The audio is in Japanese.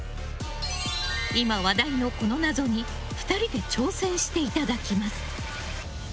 今話題の、この謎に２人で挑戦していただきます。